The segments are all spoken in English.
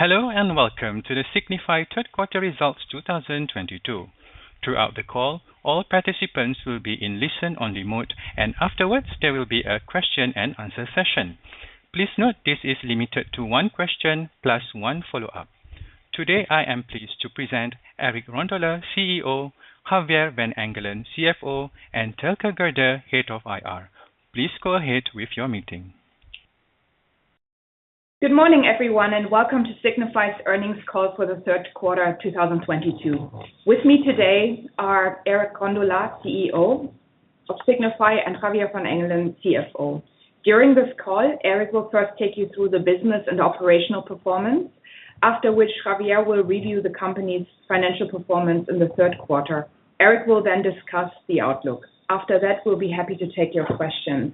Hello, and welcome to the Signify Third Quarter Results 2022. Throughout the call, all participants will be in listen-only mode, and afterwards there will be a question-and-answer session. Please note this is limited to one question plus one follow-up. Today, I am pleased to present Eric Rondolat, CEO, Javier van Engelen, CFO, and Thelke Gerdes, Head of IR. Please go ahead with your meeting. Good morning, everyone, and welcome to Signify's Earnings Call for the Third Quarter of 2022. With me today are Eric Rondolat, CEO of Signify, and Javier van Engelen, CFO. During this call, Eric will first take you through the business and operational performance, after which Javier will review the company's financial performance in the third quarter. Eric will then discuss the outlook. After that, we'll be happy to take your questions.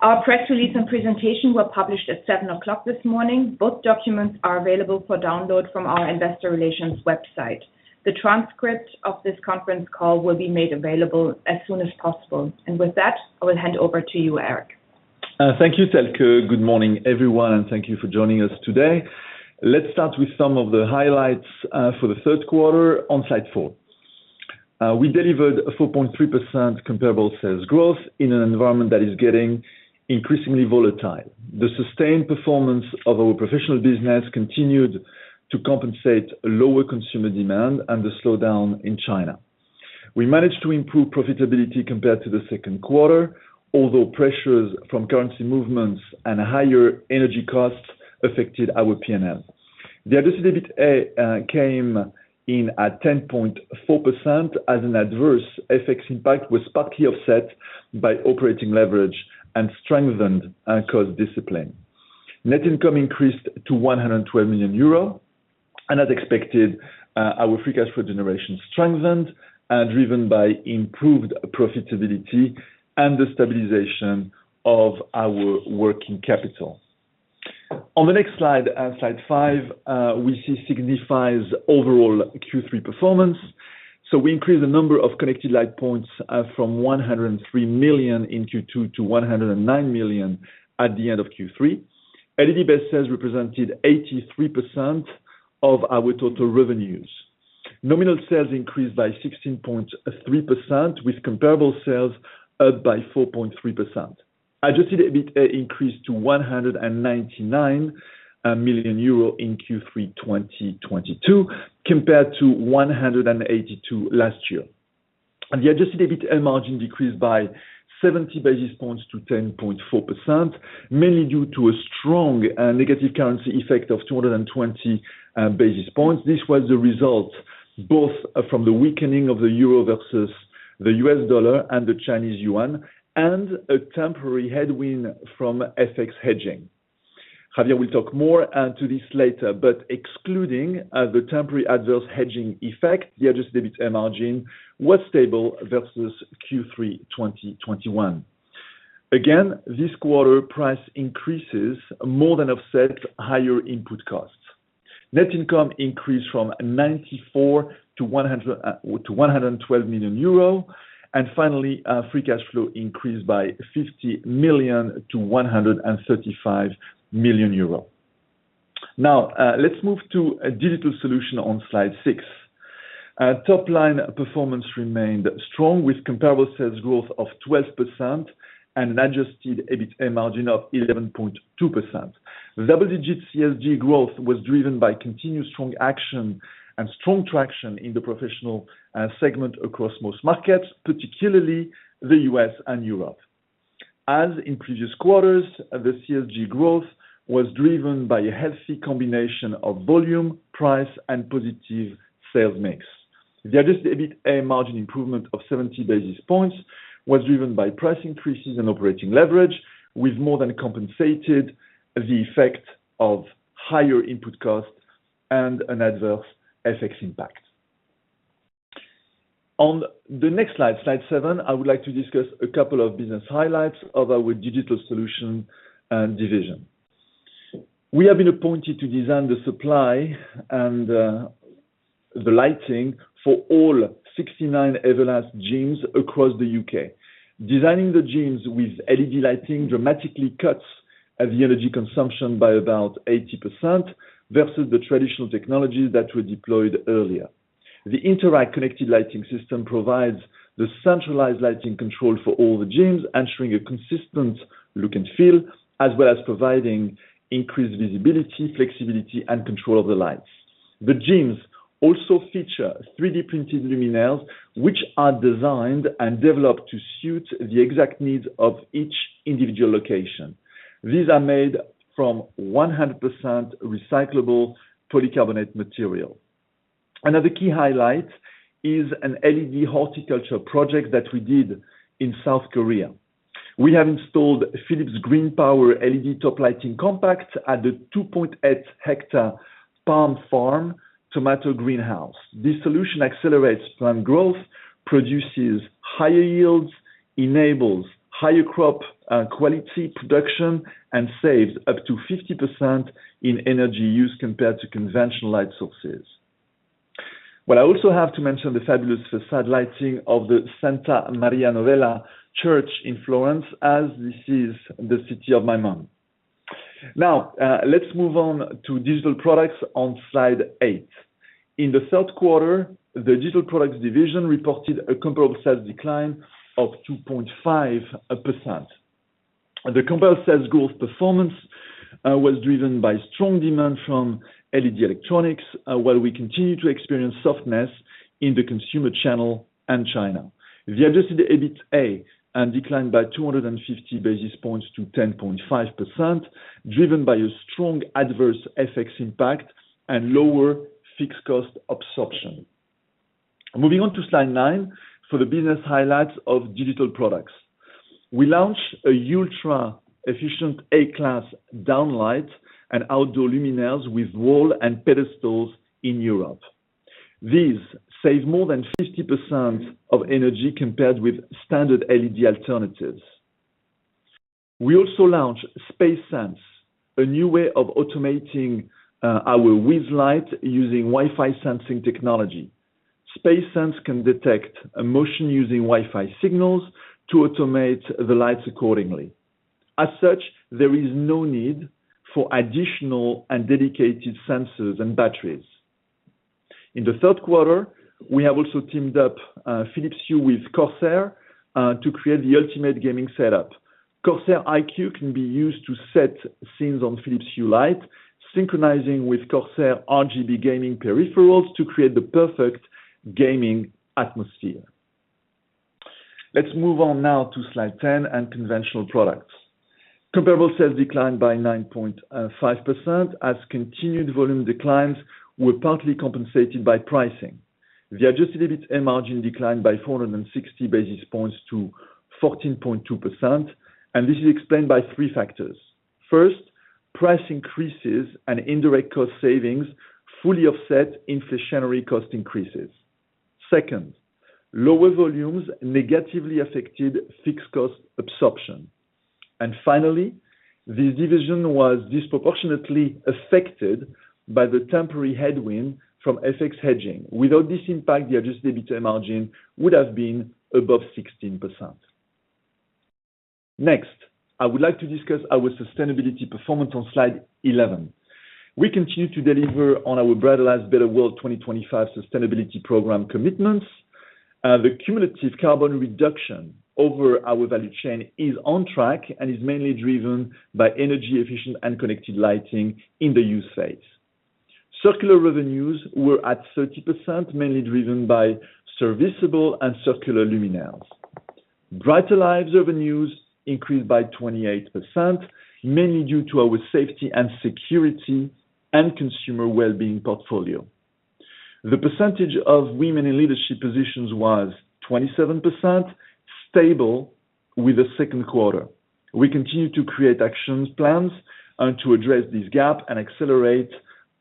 Our press release and presentation were published at 7:00 A.M. this morning. Both documents are available for download from our Investor Relations website. The transcript of this conference call will be made available as soon as possible. With that, I will hand over to you, Eric. Thank you, Thelke. Good morning, everyone, and thank you for joining us today. Let's start with some of the highlights for the third quarter on slide four. We delivered a 4.3% comparable sales growth in an environment that is getting increasingly volatile. The sustained performance of our professional business continued to compensate a lower consumer demand and the slowdown in China. We managed to improve profitability compared to the second quarter, although pressures from currency movements and higher energy costs affected our P&L. The Adjusted EBITA came in at 10.4% as an adverse FX impact was partly offset by operating leverage and strengthened cost discipline. Net income increased to 112 million euro. As expected, our free cash flow generation strengthened, driven by improved profitability and the stabilization of our working capital. On the next slide five, we see Signify's overall Q3 performance. We increased the number of connected light points from 103 million in Q2 to 109 million at the end of Q3. LED-based sales represented 83% of our total revenues. Nominal sales increased by 16.3% with comparable sales up by 4.3%. Adjusted EBITA increased to 199 million euro in Q3 2022 compared to 182 million last year. The Adjusted EBITA margin decreased by 70 basis points to 10.4%, mainly due to a strong negative currency effect of 220 basis points. This was the result both from the weakening of the euro versus the U.S. dollar and the Chinese yuan and a temporary headwind from FX hedging. Javier will talk more to this later, but excluding the temporary adverse hedging effect, the Adjusted EBITA margin was stable versus Q3 2021. Again, this quarter price increases more than offset higher input costs. Net income increased from 94 million to 112 million euro. Finally, free cash flow increased by 50 million to 135 million euro. Now, let's move to Digital Solutions on slide six. Top line performance remained strong with comparable sales growth of 12% and an Adjusted EBITA margin of 11.2%. Double-digit CSG growth was driven by continued strong adoption and strong traction in the professional segment across most markets, particularly the U.S. and Europe. As in previous quarters, the CSG growth was driven by a healthy combination of volume, price, and positive sales mix. The Adjusted EBITA margin improvement of 70 basis points was driven by price increases and operating leverage, which more than compensated the effect of higher input costs and an adverse FX impact. On the next slide seven, I would like to discuss a couple of business highlights of our Digital Solutions division. We have been appointed to design the supply and the lighting for all 69 Everlast Gyms across the U.K. Designing the gyms with LED lighting dramatically cuts the energy consumption by about 80% versus the traditional technologies that were deployed earlier. The Interact connected lighting system provides the centralized lighting control for all the gyms, ensuring a consistent look and feel, as well as providing increased visibility, flexibility, and control of the lights. The gyms also feature 3D printed luminaires, which are designed and developed to suit the exact needs of each individual location. These are made from 100% recyclable polycarbonate material. Another key highlight is an LED horticulture project that we did in South Korea. We have installed Philips GreenPower LED top lighting compacts at the 2.8 hectare Palmfarm tomato greenhouse. This solution accelerates plant growth, produces higher yields, enables higher crop quality production, and saves up to 50% in energy use compared to conventional light sources. Well, I also have to mention the fabulous side lighting of the Santa Maria Novella Church in Florence, as this is the city of my mom. Now, let's move on to Digital Products on slide eight. In the third quarter, the Digital Products division reported a comparable sales decline of 2.5%. The comparable sales growth performance was driven by strong demand from LED electronics, while we continue to experience softness in the consumer channel and China. The Adjusted EBITA margin declined by 250 basis points to 10.5%, driven by a strong adverse FX impact and lower fixed cost absorption. Moving on to slide nine, for the business highlights of Digital Products. We launched an ultra-efficient A-class downlight and outdoor luminaires with wall and pedestals in Europe. These save more than 50% of energy compared with standard LED alternatives. We also launched SpaceSense, a new way of automating our WiZ lights using Wi-Fi sensing technology. SpaceSense can detect motion using Wi-Fi signals to automate the lights accordingly. As such, there is no need for additional and dedicated sensors and batteries. In the third quarter, we have also teamed up Philips Hue with Corsair to create the ultimate gaming setup. Corsair iCUE can be used to set scenes on Philips Hue light, synchronizing with Corsair RGB gaming peripherals to create the perfect gaming atmosphere. Let's move on now to slide 10 and Conventional Products. Comparable sales declined by 9.5% as continued volume declines were partly compensated by pricing. The Adjusted EBITA margin declined by 460 basis points to 14.2%, and this is explained by three factors. First, price increases and indirect cost savings fully offset inflationary cost increases. Second, lower volumes negatively affected fixed cost absorption. Finally, this division was disproportionately affected by the temporary headwind from FX hedging. Without this impact, the Adjusted EBITA margin would have been above 16%. Next, I would like to discuss our sustainability performance on slide 11. We continue to deliver on our Brighter Lives, Better World 2025 sustainability program commitments. The cumulative carbon reduction over our value chain is on track and is mainly driven by energy efficient and connected lighting in the use phase. Circular revenues were at 30%, mainly driven by serviceable and circular luminaires. Brighter Lives revenues increased by 28%, mainly due to our safety and security and consumer well-being portfolio. The percentage of women in leadership positions was 27%, stable with the second quarter. We continue to create action plans and to address this gap and accelerate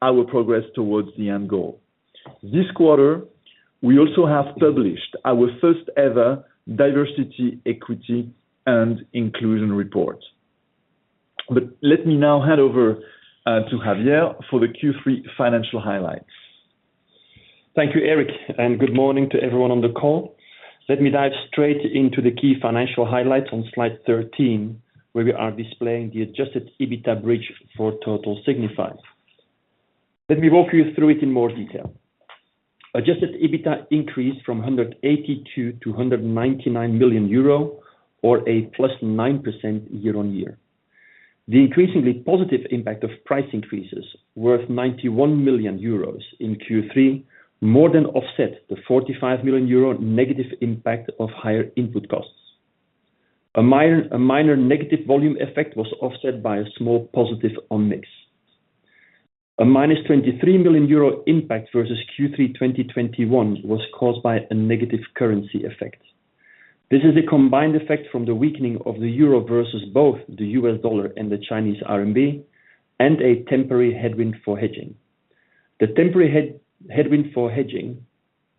our progress towards the end goal. This quarter, we also have published our first-ever Diversity, Equity, and Inclusion Report. Let me now hand over to Javier for the Q3 financial highlights. Thank you, Eric, and good morning to everyone on the call. Let me dive straight into the key financial highlights on slide 13, where we are displaying the Adjusted EBITA bridge for total Signify. Let me walk you through it in more detail. Adjusted EBITA increased from 182 million euro to 199 million euro or a +9% year-on-year. The increasingly positive impact of price increases worth 91 million euros in Q3 more than offset the 45 million euro negative impact of higher input costs. A minor negative volume effect was offset by a small positive on mix. A -23 million euro impact versus Q3 2021 was caused by a negative currency effect. This is a combined effect from the weakening of the euro versus both the U.S. dollar and the Chinese RMB and a temporary headwind for hedging. The temporary headwind for hedging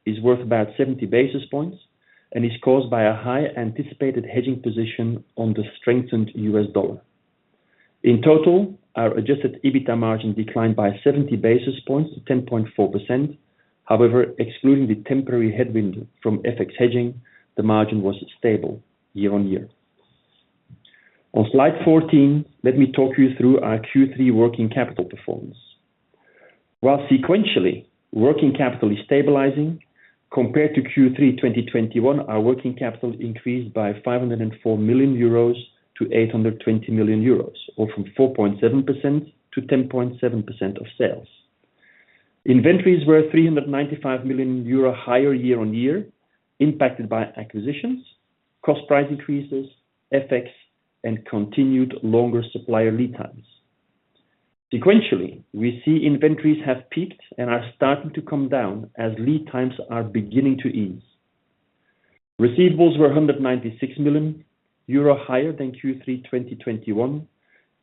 is worth about 70 basis points and is caused by a high anticipated hedging position on the strengthened U.S. dollar. In total, our Adjusted EBITA margin declined by 70 basis points to 10.4%. However, excluding the temporary headwind from FX hedging, the margin was stable year-on-year. On slide 14, let me talk you through our Q3 working capital performance. While sequentially, working capital is stabilizing, compared to Q3 2021, our working capital increased by 504 million euros to 820 million euros, or from 4.7% to 10.7% of sales. Inventories were 395 million euro higher year-on-year, impacted by acquisitions, cost price increases, FX, and continued longer supplier lead times. Sequentially, we see inventories have peaked and are starting to come down as lead times are beginning to ease. Receivables were 196 million euro higher than Q3 2021,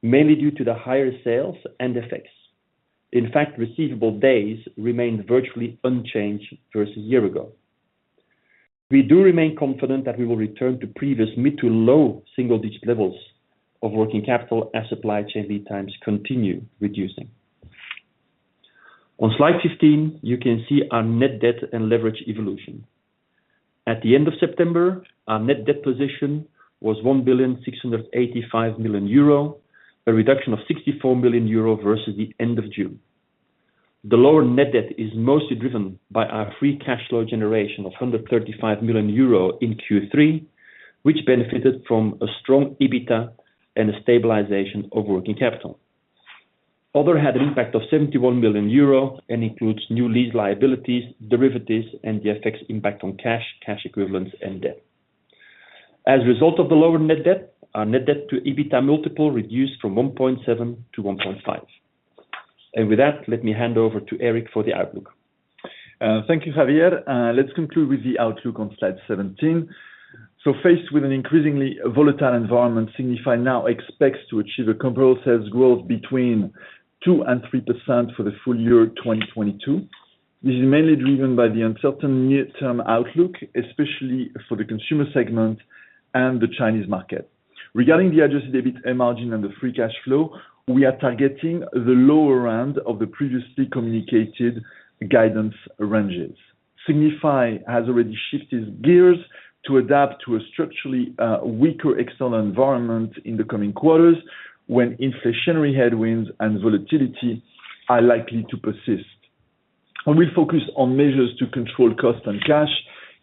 mainly due to the higher sales and FX effects. In fact, receivable days remained virtually unchanged versus a year ago. We do remain confident that we will return to previous mid- to low-single-digit levels of working capital as supply chain lead times continue reducing. On slide 15, you can see our net debt and leverage evolution. At the end of September, our net debt position was 1,685 million euro, a reduction of 64 million euro versus the end of June. The lower net debt is mostly driven by our free cash flow generation of 135 million euro in Q3, which benefited from a strong EBITDA and a stabilization of working capital. Other had an impact of 71 million euro and includes new lease liabilities, derivatives, and the FX impact on cash equivalents and debt. As a result of the lower net debt, our net debt to EBITDA multiple reduced from 1.7 to 1.5. With that, let me hand over to Eric for the outlook. Thank you, Javier. Let's conclude with the outlook on slide 17. Faced with an increasingly volatile environment, Signify now expects to achieve a comparable sales growth between 2% and 3% for the full year 2022. This is mainly driven by the uncertain near-term outlook, especially for the consumer segment and the Chinese market. Regarding the Adjusted EBITA margin and the free cash flow, we are targeting the lower end of the previously communicated guidance ranges. Signify has already shifted gears to adapt to a structurally weaker external environment in the coming quarters, when inflationary headwinds and volatility are likely to persist. We focus on measures to control cost and cash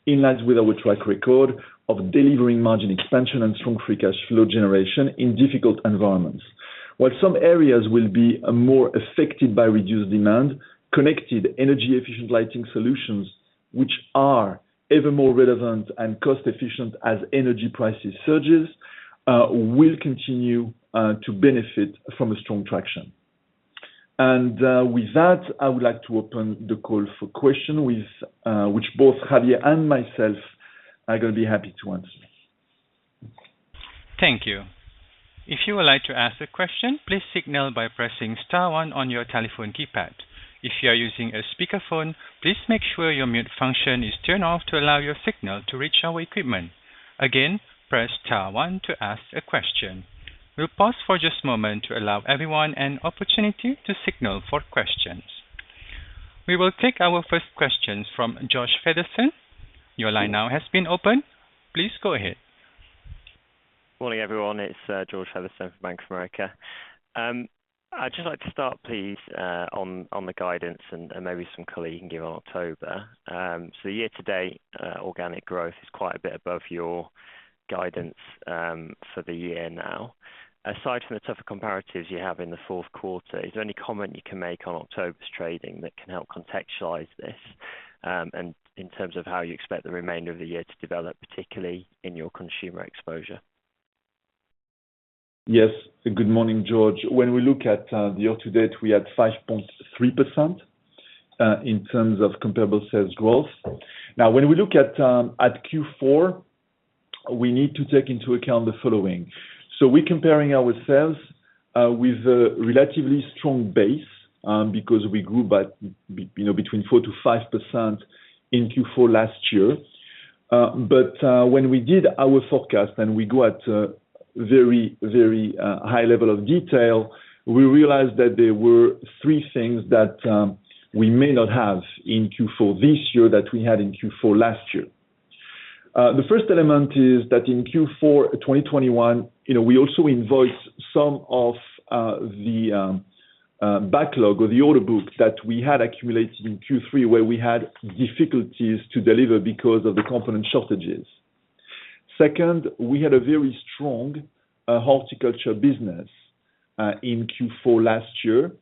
in line with our track record of delivering margin expansion and strong free cash flow generation in difficult environments. While some areas will be more affected by reduced demand, connected energy efficient lighting solutions which are ever more relevant and cost efficient as energy prices surges, will continue to benefit from a strong traction. With that, I would like to open the call for question with which both Javier and myself are gonna be happy to answer. Thank you. If you would like to ask a question, please signal by pressing star one on your telephone keypad. If you are using a speakerphone, please make sure your mute function is turned off to allow your signal to reach our equipment. Again, press star one to ask a question. We'll pause for just a moment to allow everyone an opportunity to signal for questions. We will take our first questions from George Featherstone. Your line now has been opened. Please go ahead. Morning, everyone. It's George Featherstone from Bank of America. I'd just like to start please, on the guidance and maybe some color you can give on October. Year-to-date, organic growth is quite a bit above your guidance for the year now. Aside from the tougher comparatives you have in the fourth quarter, is there any comment you can make on October's trading that can help contextualize this, and in terms of how you expect the remainder of the year to develop, particularly in your consumer exposure? Yes. Good morning, George. When we look at the year-to-date, we had 5.3% in terms of comparable sales growth. Now, when we look at Q4, we need to take into account the following. We're comparing our sales with a relatively strong base because we grew by between 4%-5% in Q4 last year. When we did our forecast and we went to a very high level of detail, we realized that there were three things that we may not have in Q4 this year that we had in Q4 last year. The first element is that in Q4 2021, you know, we also invoice some of the backlog or the order book that we had accumulated in Q3, where we had difficulties to deliver because of the component shortages. Second, we had a very strong horticulture business in Q4 last year.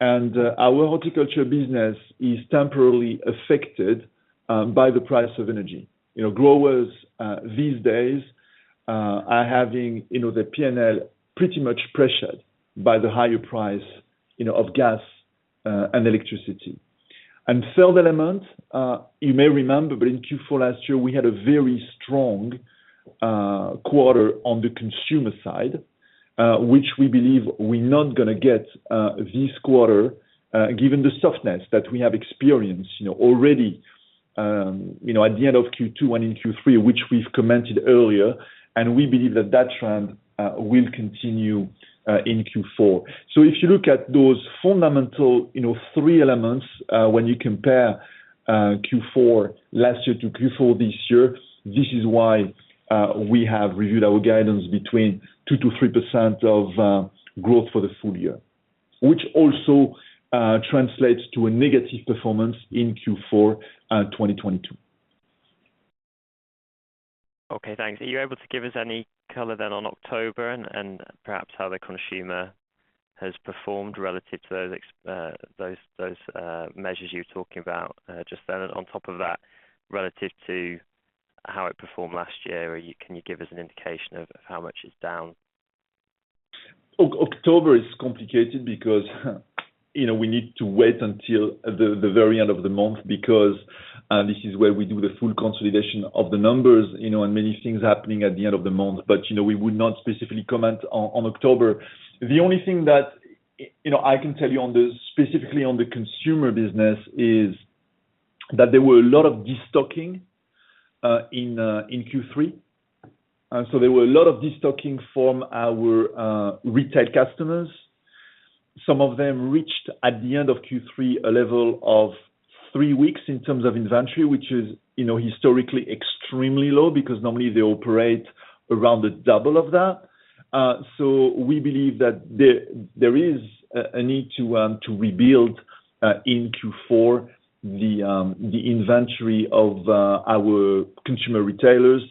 Our horticulture business is temporarily affected by the price of energy. You know, growers these days are having, you know, the P&L pretty much pressured by the higher price, you know, of gas and electricity. Third element, you may remember, but in Q4 last year, we had a very strong quarter on the consumer side, which we believe we're not gonna get this quarter, given the softness that we have experienced, you know, already, you know, at the end of Q2 and in Q3, which we've commented earlier, and we believe that trend will continue in Q4. So if you look at those fundamental, you know, three elements, when you compare Q4 last year to Q4 this year, this is why we have reviewed our guidance between 2%-3% of growth for the full year, which also translates to a negative performance in Q4 2022. Okay, thanks. Are you able to give us any color then on October and perhaps how the consumer has performed relative to those measures you were talking about just then on top of that, relative to how it performed last year? Or can you give us an indication of how much it's down? October is complicated because, you know, we need to wait until the very end of the month because this is where we do the full consolidation of the numbers, you know, and many things happening at the end of the month. You know, we would not specifically comment on October. The only thing you know, I can tell you specifically on the consumer business is that there were a lot of destocking in Q3. There were a lot of destocking from our retail customers. Some of them reached, at the end of Q3, a level of three weeks in terms of inventory, which is, you know, historically extremely low because normally they operate around the double of that. We believe that there is a need to rebuild the inventory of our consumer retailers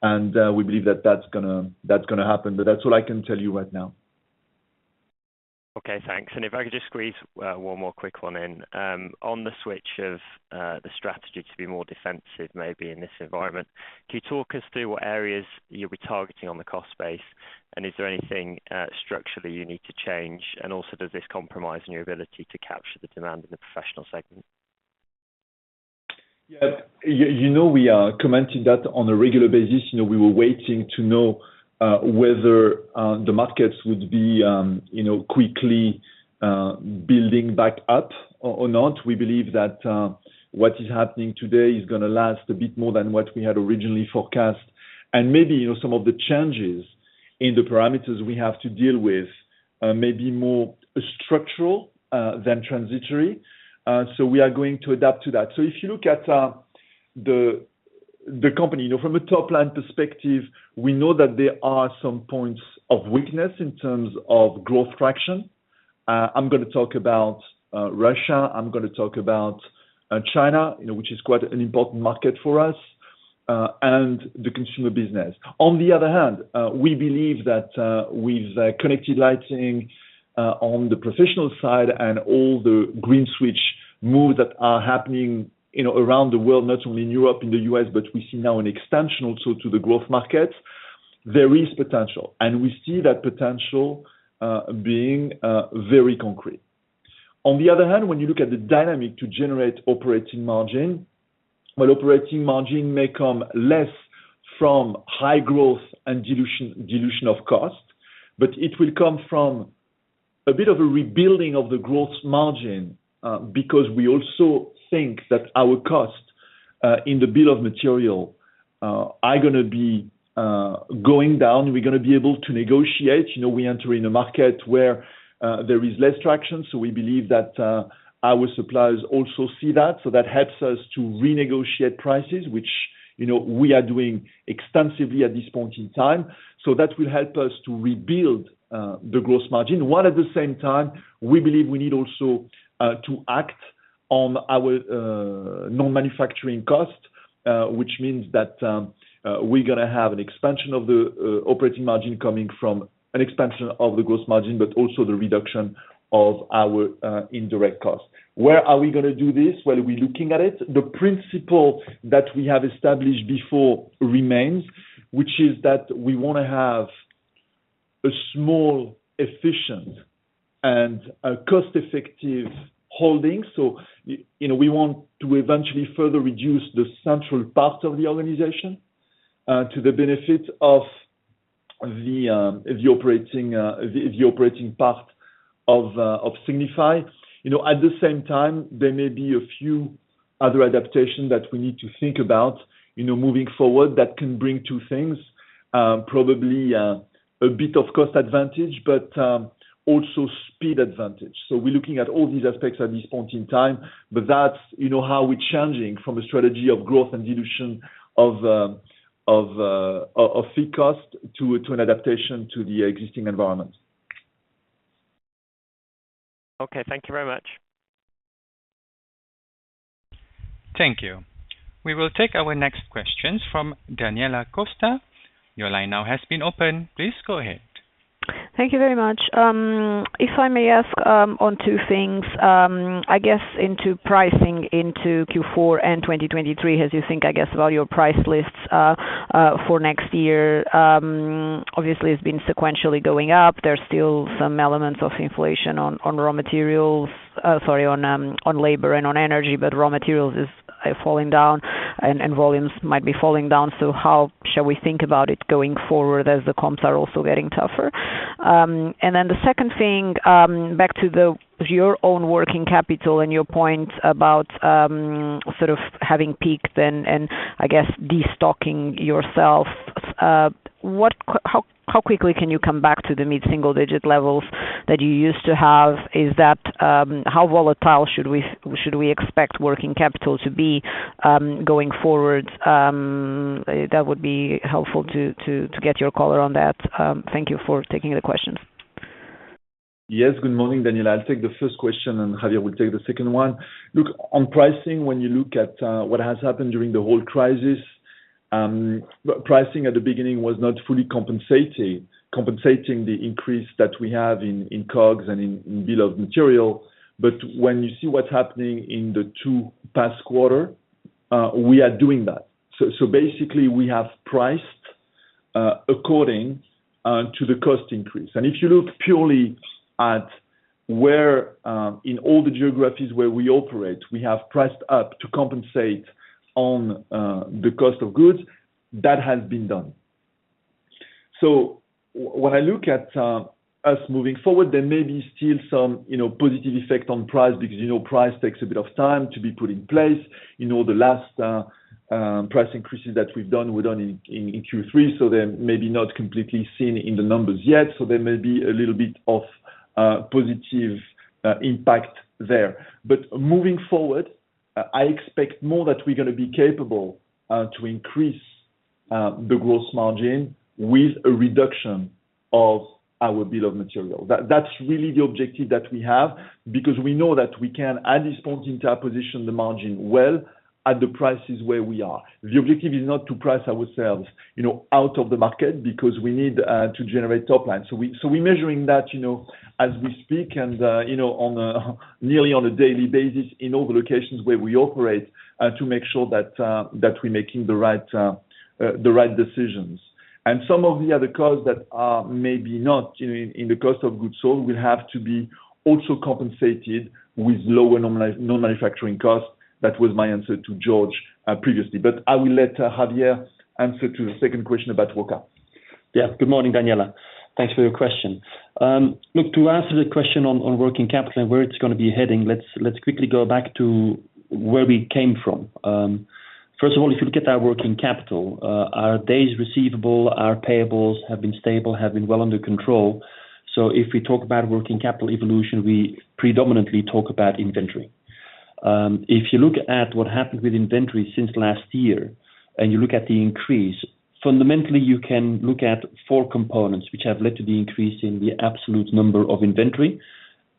and we believe that that's gonna happen. But that's all I can tell you right now. Okay, thanks. If I could just squeeze one more quick one in. On the switch of the strategy to be more defensive maybe in this environment, can you talk us through what areas you'll be targeting on the cost base and is there anything structurally you need to change? Also, does this compromise in your ability to capture the demand in the professional segment? Yeah. You know, we are commenting that on a regular basis. You know, we were waiting to know whether the markets would be you know, quickly building back up or not. We believe that what is happening today is gonna last a bit more than what we had originally forecast. Maybe, you know, some of the changes in the parameters we have to deal with may be more structural than transitory, so we are going to adapt to that. If you look at the company, you know, from a top-line perspective, we know that there are some points of weakness in terms of growth traction. I'm gonna talk about Russia, I'm gonna talk about China, you know, which is quite an important market for us, and the consumer business. On the other hand, we believe that with connected lighting on the professional side and all the green switch moves that are happening, you know, around the world, not only in Europe, in the U.S., but we see now an extension also to the growth markets, there is potential, and we see that potential being very concrete. On the other hand, when you look at the dynamic to generate operating margin, while operating margin may come less from high growth and dilution of cost, but it will come from a bit of a rebuilding of the gross margin, because we also think that our cost in the bill of material are gonna be going down. We're gonna be able to negotiate. You know, we enter in a market where there is less traction, so we believe that our suppliers also see that, so that helps us to renegotiate prices, which, you know, we are doing extensively at this point in time. That will help us to rebuild the gross margin, while at the same time we believe we need also to act on our non-manufacturing costs, which means that we're gonna have an expansion of the operating margin coming from an expansion of the gross margin, but also the reduction of our indirect costs. Where are we gonna do this? Where are we looking at it? The principle that we have established before remains, which is that we wanna have a small, efficient, and a cost-effective holding. You know, we want to eventually further reduce the central part of the organization to the benefit of the operating part of Signify. You know, at the same time, there may be a few other adaptation that we need to think about, moving forward that can bring two things, probably, a bit of cost advantage, but also speed advantage. We're looking at all these aspects at this point in time, but that's, you know, how we're changing from a strategy of growth and dilution of fixed cost to an adaptation to the existing environment. Okay, thank you very much. Thank you. We will take our next questions from Daniela Costa. Your line now has been opened. Please go ahead. Thank you very much. If I may ask, on two things, I guess into pricing into Q4 and 2023, as you think, I guess, about your price lists for next year, obviously it's been sequentially going up. There's still some elements of inflation. Sorry, on labor and on energy, but raw materials is falling down and volumes might be falling down. How shall we think about it going forward as the comps are also getting tougher? The second thing, back to your own working capital and your point about sort of having peaked and I guess destocking yourself, how quickly can you come back to the mid-single digit levels that you used to have? How volatile should we expect working capital to be, going forward? That would be helpful to get your color on that. Thank you for taking the questions. Yes. Good morning, Daniela. I'll take the first question, and Javier will take the second one. Look, on pricing, when you look at what has happened during the whole crisis, pricing at the beginning was not fully compensating the increase that we have in COGS and in bill of material. When you see what's happening in the past two quarters, we are doing that. Basically we have priced according to the cost increase. If you look purely at where in all the geographies where we operate, we have priced up to compensate on the cost of goods. That has been done. When I look at us moving forward, there may be still some, you know, positive effect on price because, you know, price takes a bit of time to be put in place. You know, the last price increases that we've done, we've done in Q3, so they're maybe not completely seen in the numbers yet. There may be a little bit of positive impact there. Moving forward, I expect more that we're gonna be capable to increase the gross margin with a reduction of our bill of material. That's really the objective that we have because we know that we can, at this point, position the margin well at the prices where we are. The objective is not to price ourselves, you know, out of the market because we need to generate top line. We're measuring that, you know, as we speak and, you know, nearly on a daily basis in all the locations where we operate to make sure that we're making the right decisions. Some of the other costs that are maybe not in the cost of goods sold will have to be also compensated with lower non-manufacturing costs. That was my answer to George previously. I will let Javier answer to the second question about working. Yes. Good morning, Daniela. Thanks for your question. Look, to answer the question on working capital and where it's gonna be heading, let's quickly go back to where we came from. First of all, if you look at our working capital, our days receivable, our payables have been stable, well under control. If we talk about working capital evolution, we predominantly talk about inventory. If you look at what happened with inventory since last year, and you look at the increase, fundamentally, you can look at four components which have led to the increase in the absolute number of inventory: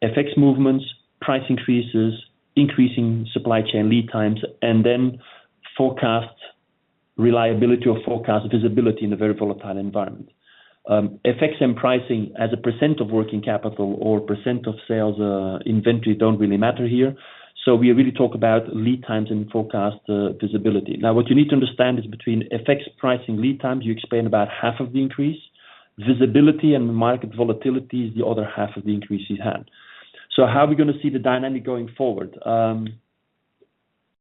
FX movements, price increases, increasing supply chain lead times, and then forecast reliability of forecast visibility in a very volatile environment. FX effects in pricing as a percent of working capital or percent of sales, inventory don't really matter here. We really talk about lead times and forecast visibility. Now, what you need to understand is between FX effects, pricing, lead times, you explain about half of the increase. Visibility and market volatility is the other half of the increase we've had. How are we gonna see the dynamic going forward?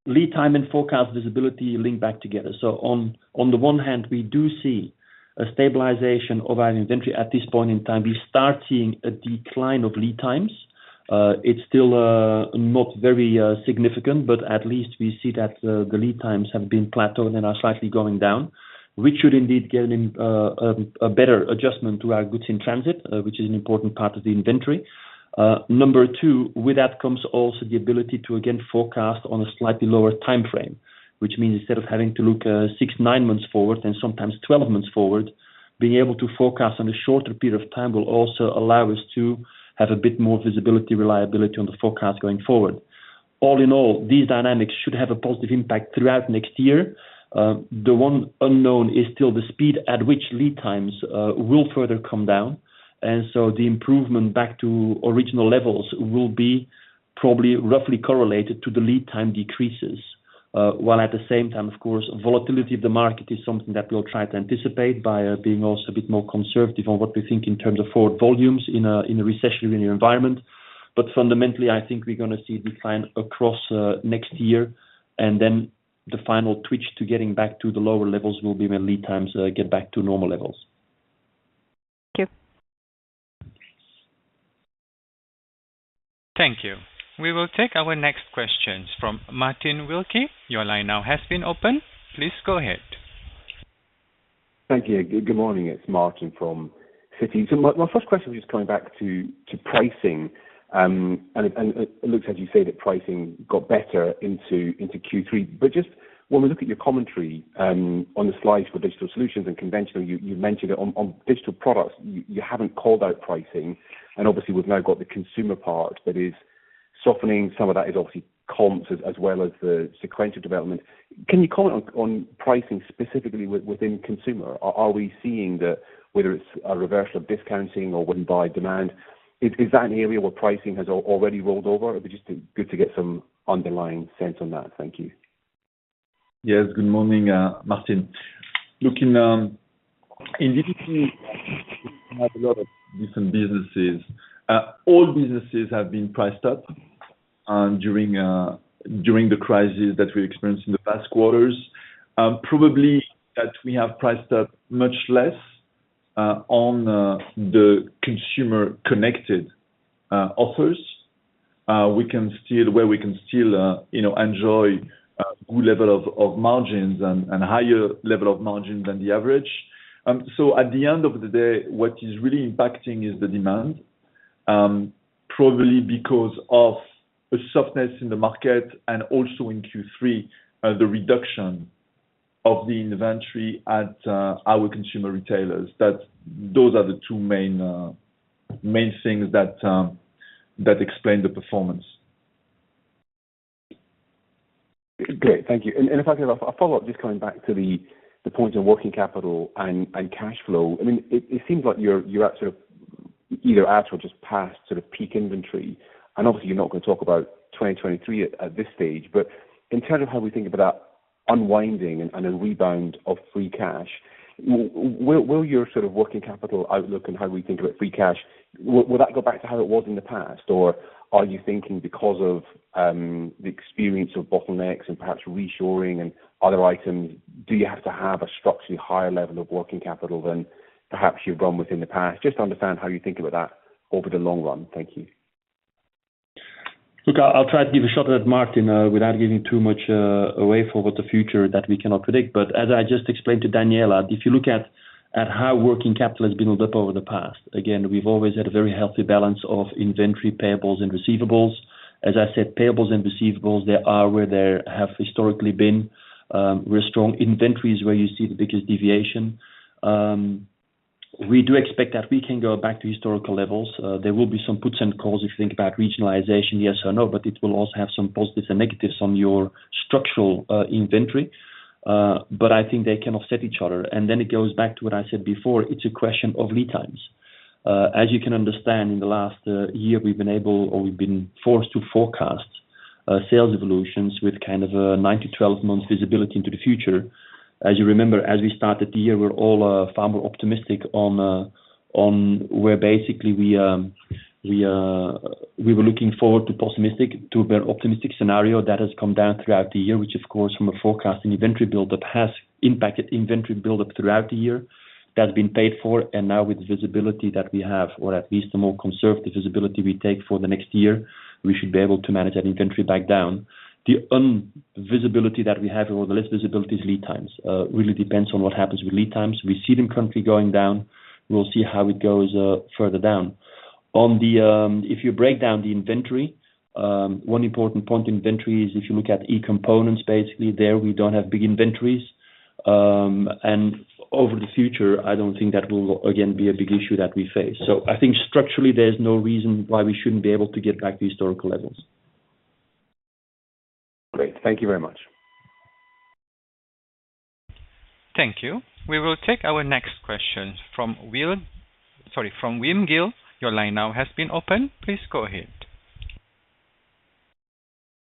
Lead time and forecast visibility link back together. On the one hand, we do see a stabilization of our inventory. At this point in time, we start seeing a decline of lead times. It's still not very significant, but at least we see that the lead times have been plateaued and are slightly going down, which should indeed give them a better adjustment to our goods in transit, which is an important part of the inventory. Number two, with that comes also the ability to again forecast on a slightly lower timeframe, which means instead of having to look six, nine months forward and sometimes 12 months forward, being able to forecast on a shorter period of time will also allow us to have a bit more visibility, reliability on the forecast going forward. All in all, these dynamics should have a positive impact throughout next year. The one unknown is still the speed at which lead times will further come down. The improvement back to original levels will be probably roughly correlated to the lead time decreases. While at the same time, of course, volatility of the market is something that we'll try to anticipate by being also a bit more conservative on what we think in terms of forward volumes in a recessionary environment. Fundamentally, I think we're gonna see decline across next year, and then the final twitch to getting back to the lower levels will be when lead times get back to normal levels. Thank you. Thank you. We will take our next questions from Martin Wilkie. Your line now has been opened. Please go ahead. Thank you. Good morning. It's Martin from Citi. My first question is just coming back to pricing, and it looks as you say that pricing got better into Q3. Just when we look at your commentary on the slides for Digital Solutions and conventional, you mentioned it on digital products, you haven't called out pricing, and obviously we've now got the consumer part that is softening. Some of that is obviously comps as well as the sequential development. Can you comment on pricing specifically within consumer? Are we seeing whether it's a reversal of discounting or weakened by demand, is that an area where pricing has already rolled over? It'd be just good to get some underlying sense on that. Thank you. Yes, good morning, Martin. Look, in that, we have a lot of different businesses. All businesses have been priced up during the crisis that we experienced in the past quarters. Probably that we have priced up much less on the consumer connected offers. We can still, you know, enjoy a good level of margins and higher level of margin than the average. At the end of the day, what is really impacting is the demand, probably because of a softness in the market and also in Q3, the reduction of the inventory at our consumer retailers. Those are the two main things that explain the performance. Great. Thank you. If I could have a follow-up just coming back to the point on working capital and cash flow. I mean, it seems like you're at sort of either at or just past sort of peak inventory, and obviously you're not gonna talk about 2023 at this stage. In terms of how we think about unwinding and a rebound of free cash, will your sort of working capital outlook and how we think about free cash, will that go back to how it was in the past? Or are you thinking because of the experience of bottlenecks and perhaps reshoring and other items, do you have to have a structurally higher level of working capital than perhaps you've gone with in the past? Just to understand how you think about that over the long run. Thank you. Look, I'll try to give a shot at Martin without giving too much away for what the future that we cannot predict. As I just explained to Daniela, if you look at how working capital has been built up over the past, again, we've always had a very healthy balance of inventory, payables and receivables. As I said, payables and receivables, they are where they have historically been, where strong inventory is you see the biggest deviation. We do expect that we can go back to historical levels. There will be some pros and cons if you think about regionalization, yes or no, but it will also have some positives and negatives on your structural inventory. But I think they can offset each other. It goes back to what I said before, it's a question of lead times. As you can understand, in the last year, we've been forced to forecast sales evolutions with kind of a nine to 12 months visibility into the future. As you remember, as we started the year, we were all far more optimistic on where basically from a pessimistic to a better optimistic scenario that has come down throughout the year, which of course, from a forecasting inventory build up has impacted inventory build up throughout the year. That's been paid for. Now with visibility that we have, or at least the more conservative visibility we take for the next year, we should be able to manage that inventory back down. The uncertainty that we have or the less visibility is lead times really depends on what happens with lead times. We see them currently going down. We'll see how it goes, further down. On the if you break down the inventory, one important point inventory is if you look at e-components, basically there we don't have big inventories. Over the future, I don't think that will again be a big issue that we face. I think structurally, there's no reason why we shouldn't be able to get back to historical levels. Great. Thank you very much. Thank you. We will take our next question from Will. Sorry, from Wim Gille. Your line now has been opened. Please go ahead.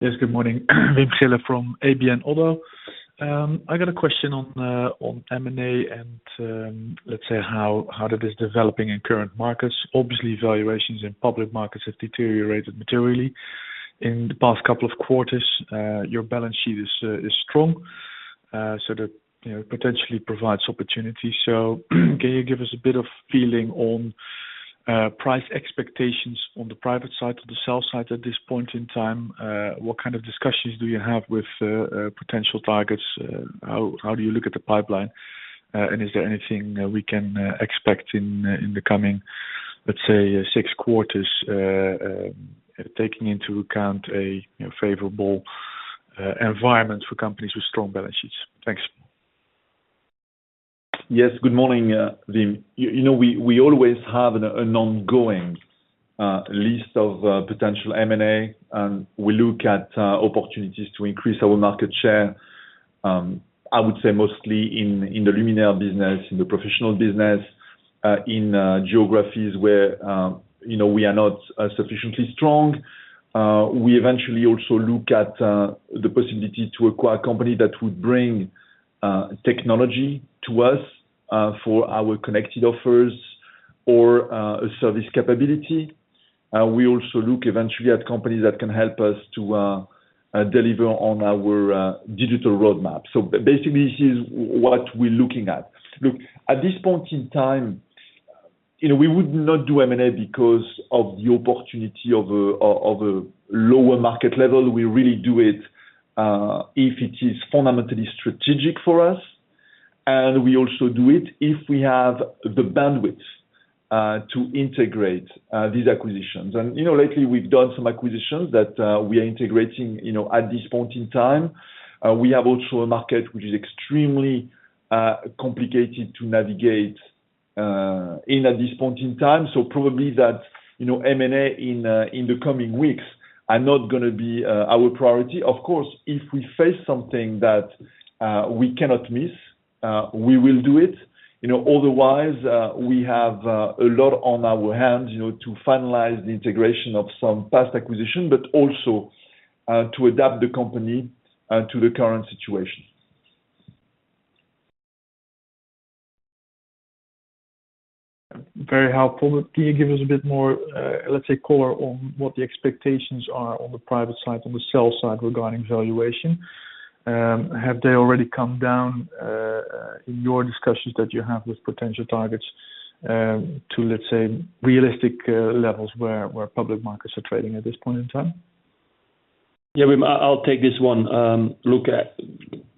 Yes, good morning. Wim Gille from ABN AMRO. I got a question on M&A and let's say how that is developing in current markets. Obviously, valuations in public markets have deteriorated materially. In the past couple of quarters, your balance sheet is strong, so that you know, potentially provides opportunities. Can you give us a bit of feeling on price expectations on the private side, on the sell side at this point in time? What kind of discussions do you have with potential targets? How do you look at the pipeline? And is there anything we can expect in the coming, let's say, six quarters, taking into account a favorable environment for companies with strong balance sheets? Thanks. Yes, good morning, Wim. You know, we always have an ongoing list of potential M&A, and we look at opportunities to increase our market share, I would say mostly in the luminaire business, in the professional business, in geographies where, you know, we are not sufficiently strong. We eventually also look at the possibility to acquire company that would bring technology to us for our connected offers or a service capability. We also look eventually at companies that can help us to deliver on our digital roadmap. So basically, this is what we're looking at. Look, at this point in time, you know, we would not do M&A because of the opportunity of a lower market level. We really do it if it is fundamentally strategic for us, and we also do it if we have the bandwidth to integrate these acquisitions. You know, lately we've done some acquisitions that we are integrating you know at this point in time. We have also a market which is extremely complicated to navigate in at this point in time. Probably that you know M&A in the coming weeks are not gonna be our priority. Of course, if we face something that we cannot miss we will do it. You know, otherwise we have a lot on our hands you know to finalize the integration of some past acquisition, but also to adapt the company to the current situation. Very helpful. Can you give us a bit more, let's say, color on what the expectations are on the private side, on the sell side regarding valuation? Have they already come down, in your discussions that you have with potential targets, to, let's say, realistic levels where public markets are trading at this point in time? Yeah, Wim, I'll take this one. Look,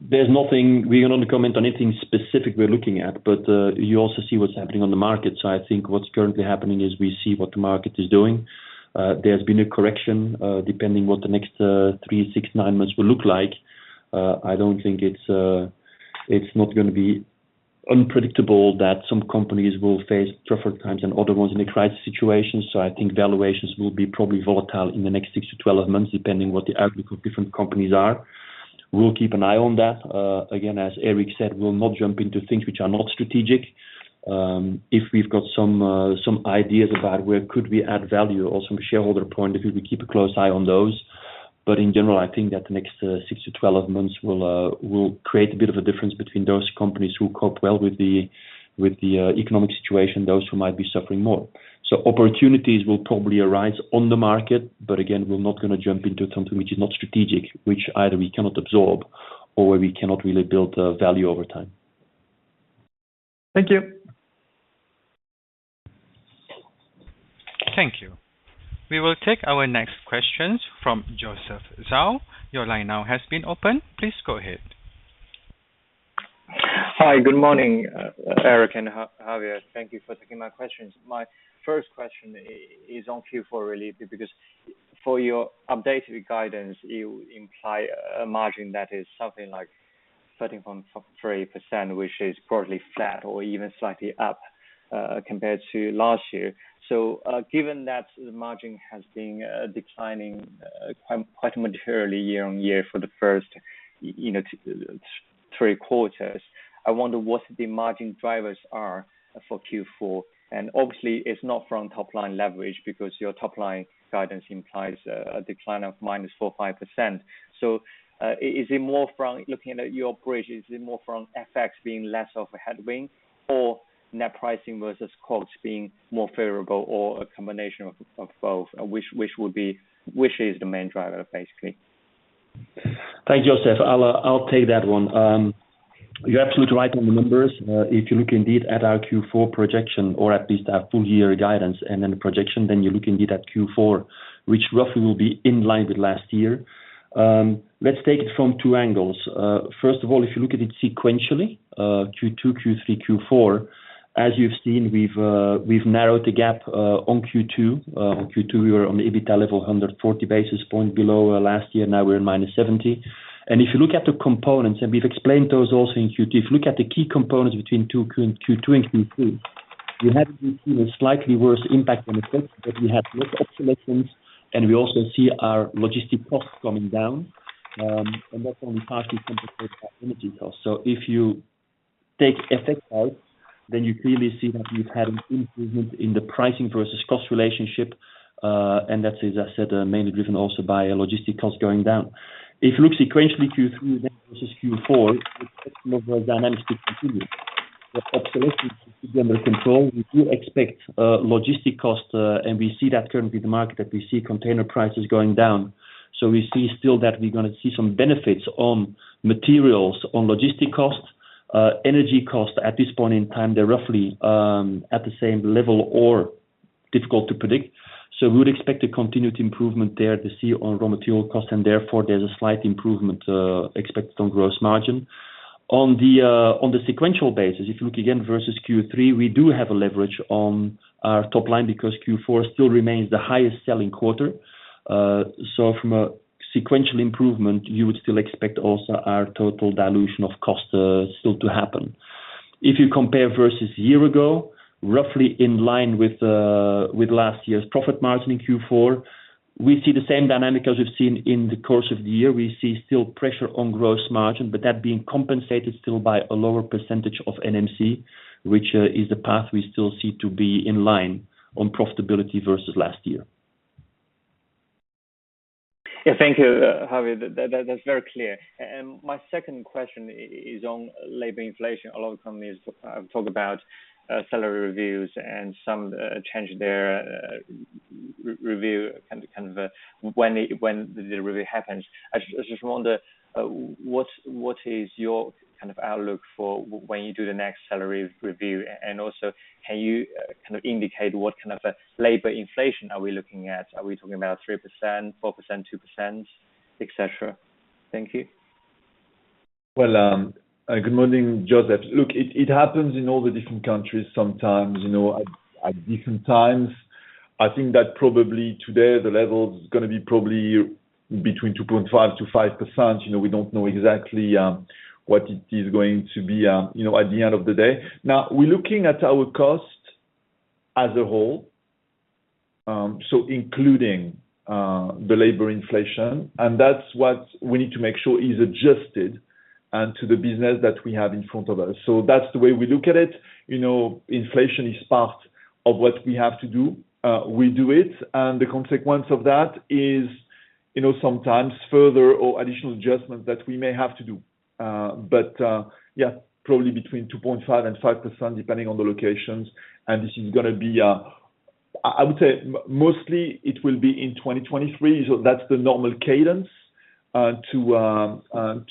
there's nothing we cannot comment on anything specific we're looking at, but you also see what's happening on the market. I think what's currently happening is we see what the market is doing. There's been a correction, depending what the next three, six, nine months will look like. I don't think it's not gonna be unpredictable that some companies will face tougher times than other ones in a crisis situation. I think valuations will be probably volatile in the next six to 12 months, depending what the outlook of different companies are. We'll keep an eye on that. Again, as Eric said, we'll not jump into things which are not strategic. If we've got some ideas about where we could add value or some shareholder point of view, we keep a close eye on those. In general, I think that the next six to 12 months will create a bit of a difference between those companies who cope well with the economic situation, those who might be suffering more. Opportunities will probably arise on the market, but again, we're not gonna jump into something which is not strategic, which either we cannot absorb or where we cannot really build value over time. Thank you. Thank you. We will take our next questions from Joseph Zhou. Your line now has been opened. Please go ahead. Hi. Good morning, Eric and Javier. Thank you for taking my questions. My first question is on Q4 really, because for your updated guidance, you imply a margin that is something like 13.3%, which is broadly flat or even slightly up compared to last year. Given that the margin has been declining quite materially year-on-year for the first, you know, three quarters, I wonder what the margin drivers are for Q4, and obviously it's not from top-line leverage because your top-line guidance implies a decline of -4% to -5%. Is it more from looking at your operation, is it more from FX being less of a headwind or net pricing versus costs being more favorable or a combination of both? Which is the main driver, basically? Thanks, Joseph. I'll take that one. You're absolutely right on the numbers. If you look indeed at our Q4 projection, or at least our full year guidance and then the projection, then you look indeed at Q4, which roughly will be in line with last year. Let's take it from two angles. First of all, if you look at it sequentially, Q2, Q3, Q4, as you've seen, we've narrowed the gap on Q2. On Q2 we were on the EBITA level 140 basis points below last year, now we're in -70. If you look at the components, and we've explained those also in Q2, if you look at the key components between two. Q2 and Q3, you have been seeing a slightly worse impact on the costs, but we have lower obsolescence, and we also see our logistic costs coming down, and that's only partly compensated by energy costs. If you take FX out, then you clearly see that we've had an improvement in the pricing versus cost relationship, and that is, as I said, mainly driven also by our logistic costs going down. If you look sequentially Q3 then versus Q4, we expect more dynamics to continue. With obsolescence under control, we do expect logistic costs, and we see that currently in the market, that we see container prices going down. We see still that we're gonna see some benefits on materials, on logistic costs. Energy costs at this point in time, they're roughly at the same level or difficult to predict. We would expect a continued improvement there to see on raw material costs, and therefore there's a slight improvement expected on gross margin. On the sequential basis, if you look again versus Q3, we do have a leverage on our top line because Q4 still remains the highest selling quarter. From a sequential improvement, you would still expect also our total dilution of costs still to happen. If you compare versus year ago, roughly in line with last year's profit margin in Q4. We see the same dynamic as we've seen in the course of the year. We see still pressure on gross margin, but that being compensated still by a lower percentage of NMC, which is the path we still see to be in line on profitability versus last year. Yeah. Thank you, Javier. That's very clear. My second question is on labor inflation. A lot of companies talk about salary reviews and some change their review kind of when the review happens. I just wonder what is your kind of outlook for when you do the next salary review? Also, can you kind of indicate what kind of a labor inflation are we looking at? Are we talking about 3%, 4%, 2%, et cetera? Thank you. Well, good morning, Joseph. Look, it happens in all the different countries sometimes, you know, at different times. I think that probably today the level is gonna be probably between 2.5%-5%. You know, we don't know exactly what it is going to be, you know, at the end of the day. Now, we're looking at our costs as a whole, so including the labor inflation, and that's what we need to make sure is adjusted and to the business that we have in front of us. That's the way we look at it. You know, inflation is part of what we have to do. We do it, and the consequence of that is, you know, sometimes further or additional adjustments that we may have to do. Yeah, probably between 2.5% and 5%, depending on the locations. This is gonna be. I would say mostly it will be in 2023. That's the normal cadence to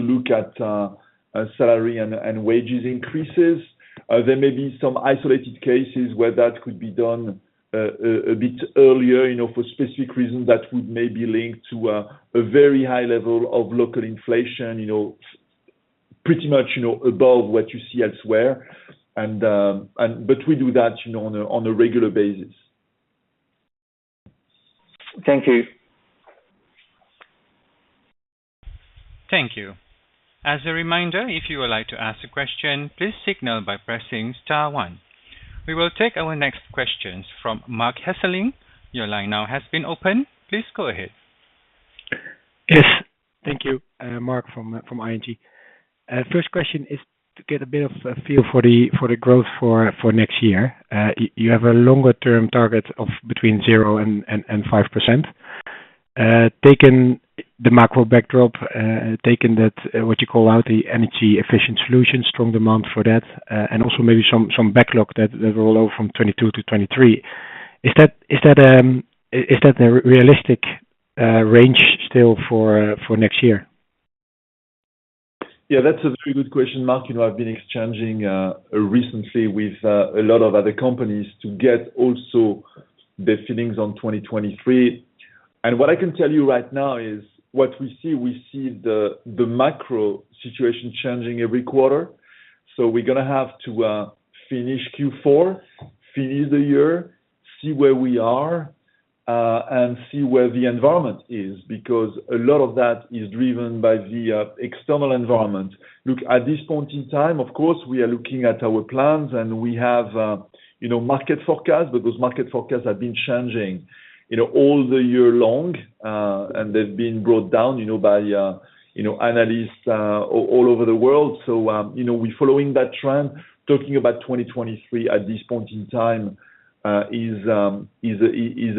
look at salary and wages increases. There may be some isolated cases where that could be done a bit earlier, you know, for specific reasons that would be linked to a very high level of local inflation, you know, pretty much, you know, above what you see elsewhere. We do that, you know, on a regular basis. Thank you. Thank you. As a reminder, if you would like to ask a question, please signal by pressing star one. We will take our next questions from Marc Hesselink. Your line now has been opened. Please go ahead. Yes. Thank you. Marc from ING. First question is to get a bit of a feel for the growth for next year. You have a longer term target of between 0% and 5%. Taking the macro backdrop, taking that what you call out, the energy efficient solution, strong demand for that, and also maybe some backlog that roll over from 2022 to 2023. Is that a realistic range still for next year? Yeah, that's a very good question, Marc. You know, I've been exchanging recently with a lot of other companies to get also their feelings on 2023. What I can tell you right now is what we see. We see the macro situation changing every quarter. We're gonna have to finish Q4, finish the year, see where we are, and see where the environment is because a lot of that is driven by the external environment. Look, at this point in time, of course, we are looking at our plans and we have, you know, market forecast, but those market forecasts have been changing, you know, all year long, and they've been brought down, you know, by, you know, analysts all over the world. You know, we're following that trend. Talking about 2023 at this point in time is a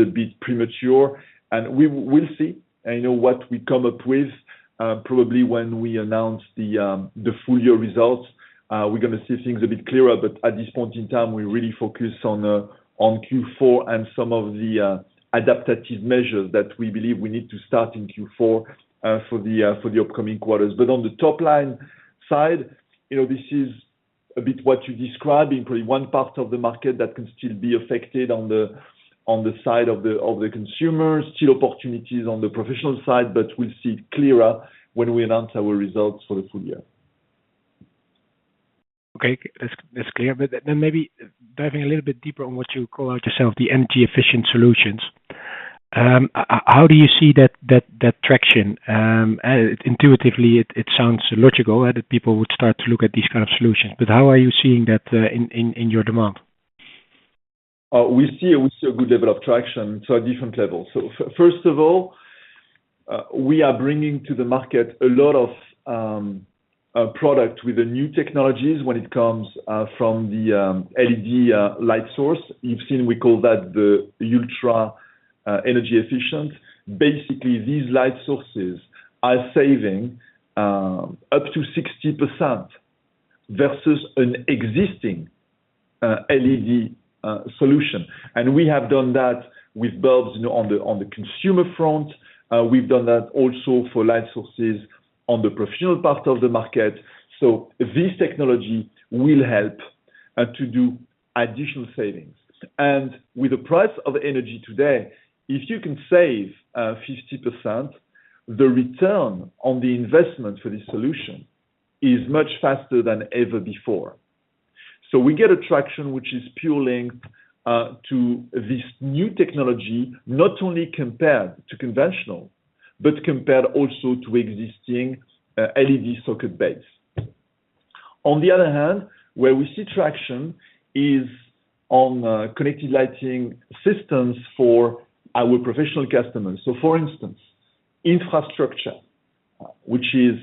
bit premature. We will see, I know what we come up with, probably when we announce the full year results. We're gonna see things a bit clearer, but at this point in time we really focus on Q4 and some of the adaptive measures that we believe we need to start in Q4 for the upcoming quarters. On the top line side, you know, this is a bit what you're describing, probably one part of the market that can still be affected on the side of the consumers, still opportunities on the professional side, but we'll see clearer when we announce our results for the full year. Okay. That's clear. Maybe diving a little bit deeper on what you call out yourself the energy efficient solutions. How do you see that traction? Intuitively it sounds logical that people would start to look at these kind of solutions, but how are you seeing that in your demand? We see a good level of traction at different levels. First of all, we are bringing to the market a lot of product with the new technologies when it comes from the LED light source. You've seen we call that the ultra energy efficient. Basically, these light sources are saving up to 60% versus an existing LED solution. We have done that with bulbs, you know, on the consumer front. We've done that also for light sources on the professional part of the market. This technology will help to do additional savings. With the price of energy today, if you can save 50%, the return on the investment for this solution is much faster than ever before. We get traction which is purely to this new technology, not only compared to conventional, but compared also to existing LED socket base. On the other hand, where we see traction is on connected lighting systems for our professional customers. For instance, infrastructure, which is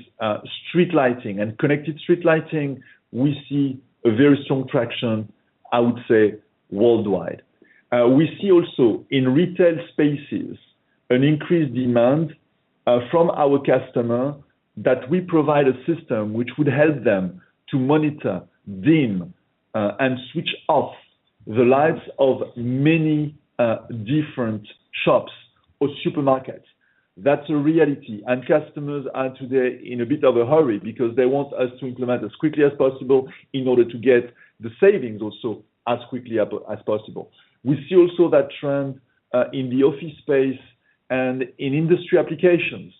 street lighting and connected street lighting, we see a very strong traction, I would say, worldwide. We see also in retail spaces an increased demand from our customer that we provide a system which would help them to monitor, dim, and switch off the lights of many different shops or supermarkets. That's a reality and customers are today in a bit of a hurry because they want us to implement as quickly as possible in order to get the savings also as quickly as possible. We see also that trend in the office space and in industry applications,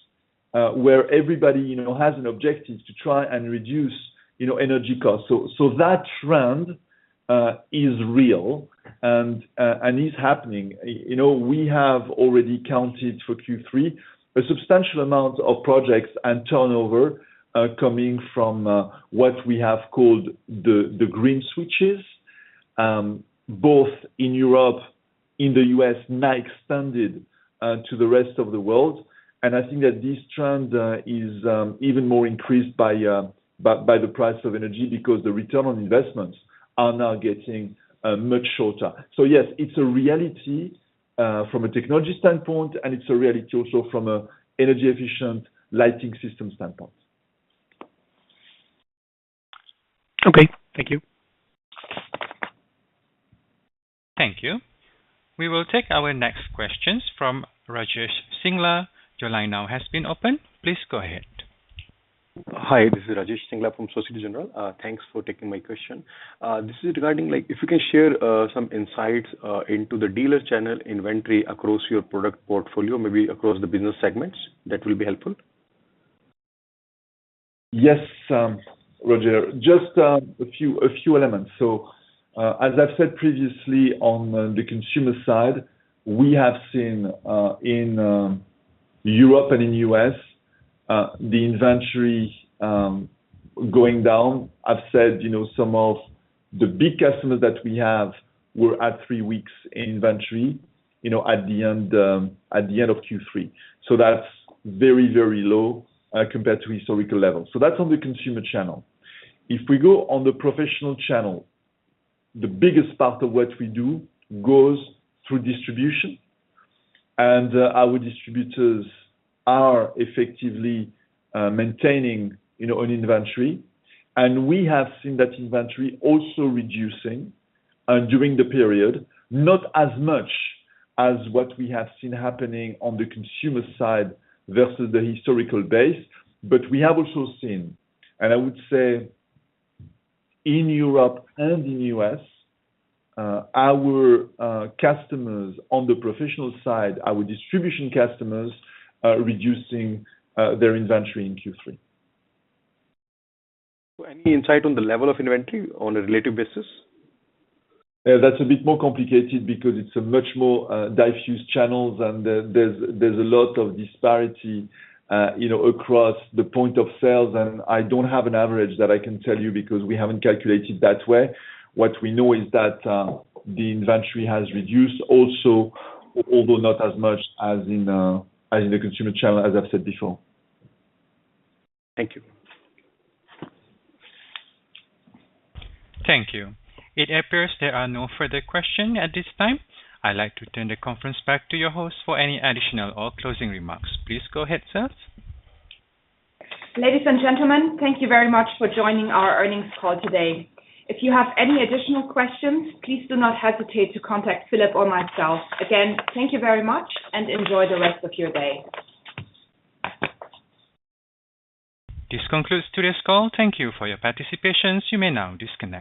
where everybody, you know, has an objective to try and reduce, you know, energy costs. That trend is real and is happening. You know, we have already counted for Q3 a substantial amount of projects and turnover coming from what we have called the green switches both in Europe, in the U.S., now extended to the rest of the world. I think that this trend is even more increased by the price of energy because the return on investments are now getting much shorter. Yes, it's a reality from a technology standpoint, and it's a reality also from an energy efficient lighting system standpoint. Okay. Thank you. Thank you. We will take our next questions from Rajesh Singla. Your line now has been opened. Please go ahead. Hi, this is Rajesh Singla from Société Générale. Thanks for taking my question. This is regarding like if you can share some insights into the dealer's channel inventory across your product portfolio, maybe across the business segments, that will be helpful. Yes, Rajesh. Just a few elements. As I've said previously on the consumer side, we have seen in Europe and in U.S. the inventory going down. I've said, you know, some of the big customers that we have were at three weeks inventory, you know, at the end of Q3. That's very low compared to historical levels. That's on the consumer channel. If we go on the professional channel, the biggest part of what we do goes through distribution. Our distributors are effectively maintaining, you know, an inventory. We have seen that inventory also reducing during the period, not as much as what we have seen happening on the consumer side versus the historical base. We have also seen, and I would say in Europe and in the U.S., our customers on the professional side, our distribution customers are reducing their inventory in Q3. Any insight on the level of inventory on a relative basis? That's a bit more complicated because it's a much more diverse channels, and there's a lot of disparity, you know, across the points of sale. I don't have an average that I can tell you because we haven't calculated that way. What we know is that the inventory has reduced also, although not as much as in the consumer channel, as I've said before. Thank you. Thank you. It appears there are no further question at this time. I'd like to turn the conference back to your host for any additional or closing remarks. Please go ahead, Thelke. Ladies and gentlemen, thank you very much for joining our earnings call today. If you have any additional questions, please do not hesitate to contact Philip or myself. Again, thank you very much and enjoy the rest of your day. This concludes today's call. Thank you for your participations. You may now disconnect.